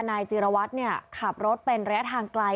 นายจิรวัตรขับรถเป็นระยะทางไกล